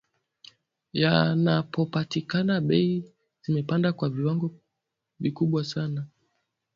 yanapopatikana bei zimepanda kwa viwango vikubwa sana